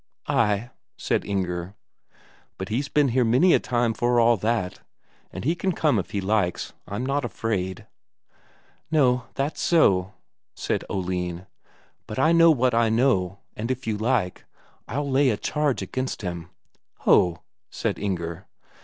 "Ay," said Inger. "But he's been here many a time since for all that. And he can come if he likes, I'm not afraid." "No, that's so," said Oline. "But I know what I know, and if you like, I'll lay a charge against him." "Ho!" said Inger.